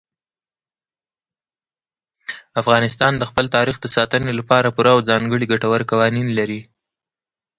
افغانستان د خپل تاریخ د ساتنې لپاره پوره او ځانګړي ګټور قوانین لري.